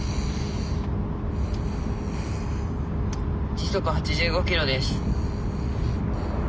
時速８５キロです。